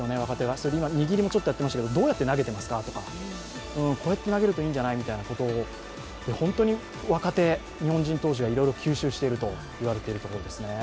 それで今、握りもちょっとやっていましたけど、どうやって投げていました？とかこうやって投げるといいんじゃないのみたいな、本当に若手日本人投手がいろいろ吸収しているそうですね。